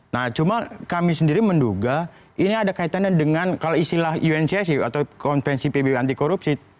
nah cuma kami sendiri menduga ini ada kaitannya dengan kalau istilah uncc atau konvensi pbb anti korupsi